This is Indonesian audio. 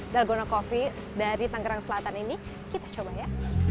dalgona coffee dari tanggerang selatan ini kita coba ya